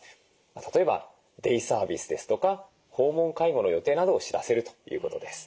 例えばデイサービスですとか訪問介護の予定などを知らせるということです。